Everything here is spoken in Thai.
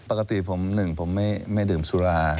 ปกติผมหนึ่งผมไม่ดื่มสุรา